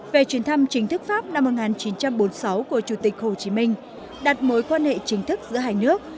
về chuyến thăm chính thức pháp năm một nghìn chín trăm bốn mươi sáu của chủ tịch hồ chí minh đặt mối quan hệ chính thức giữa hai nước